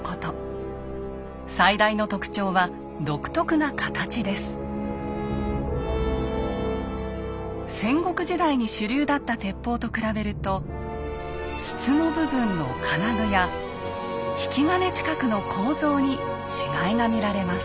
最大の特徴は戦国時代に主流だった鉄砲と比べると筒の部分の金具や引き金近くの構造に違いが見られます。